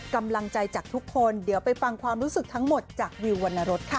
กำลังใจจากทุกคนเดี๋ยวไปฟังความรู้สึกทั้งหมดจากวิววรรณรสค่ะ